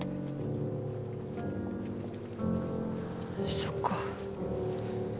そっか。